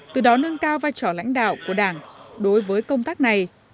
từ đó nâng cao vai trò lãnh đạo của đảng đối với công tác này